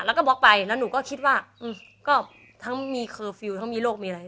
แล้วก็บล็อกไปแล้วหนูก็คิดว่าอืมก็ทั้งมีทั้งมีโรคมีอะไร